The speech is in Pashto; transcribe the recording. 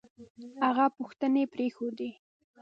هغه پوښتنې پرېښودې